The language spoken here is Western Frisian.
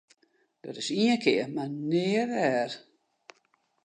Dat is ien kear mar nea wer!